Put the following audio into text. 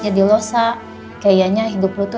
jadi lo sa kayaknya hidup lo tuh